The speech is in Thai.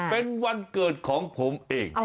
เป็นวันเกิดของผมเอง